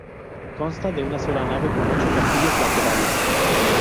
Consta de una sola nave con ocho capillas laterales.